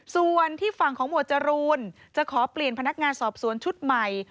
ส่วนที่ฝั่งของหมวดจรูนจะขอเปลี่ยนพนักงานสอบสวนชุดใหม่